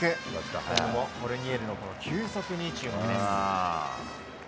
今後もコルニエルの球速に注目です。